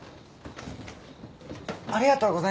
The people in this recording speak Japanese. ありがとうございます。